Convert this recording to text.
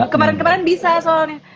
kemarin kemarin bisa soalnya